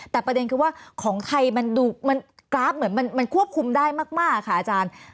แต่ประเด็นคือว่าของไทยมันดูมันกราฟเหมือนมันควบคุมได้มากค่ะอาจารย์